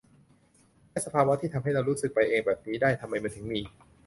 แต่สภาวะที่ทำให้เรารู้สึกไปเองแบบนี้ได้ ทำไมมันถึงมี ?